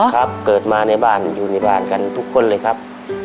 ครับเกิดมาในบ้านอยู่ในบ้านกันทุกคนเลยครับ